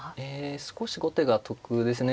少し後手が得ですね。